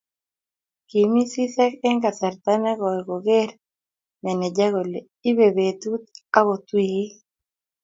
kimi sisek eng kasarta nekooi kogeer meneja kole ibei betut akot wikit